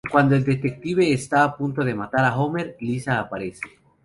Cuando el detective está a punto de matar a Homer, Lisa aparece.